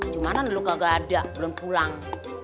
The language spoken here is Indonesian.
cumanan lo kagak ada belum pulang